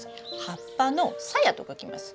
葉っぱの鞘と書きます。